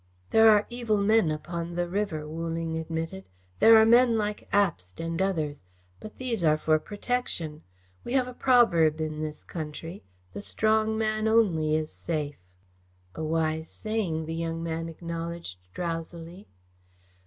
"There are evil men upon the river," Wu Ling admitted. "There are men like Abst and others, but these are for protection. We have a proverb in this country 'The strong man only is safe.'" "A wise saying," the young man acknowledged drowsily.